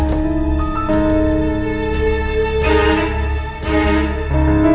tapi dia juga ingem buat itu